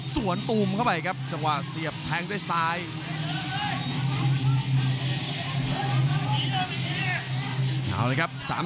ส่วนตูมเข้าไปส่วนตูมเข้าไปเสียบโชว์ด้านซ้าย